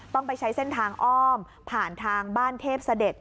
ต้องไปใช้เส้นทางอ้อมผ่านทางบ้านเทพเสด็จ